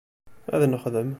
Ad nexdem.